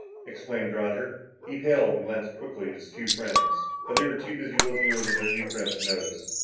exclaimed Roger. He paled and glanced quickly at his two friends, but they were too busy looking over their new friend to notice.